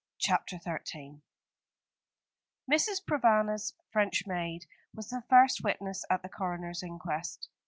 CHAPTER XIII Mrs. Provana's French maid was the first witness at the coroner's inquest.